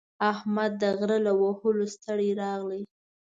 احمد د غره له وهلو ستړی راغی.